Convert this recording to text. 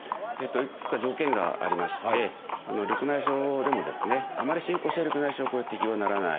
いくつか条件がありまして緑内障でもあまり進行してる緑内障は適用にならない。